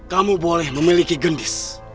kamu boleh memiliki gendis